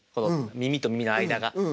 耳と耳の間が。